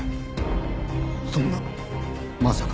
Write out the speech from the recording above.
そんなまさか。